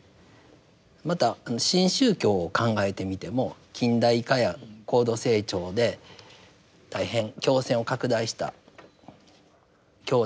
また新宗教を考えてみても近代化や高度成長で大変教勢を拡大した教団ですね。